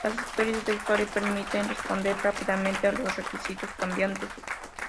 Las historias de usuario permiten responder rápidamente a los requisitos cambiantes.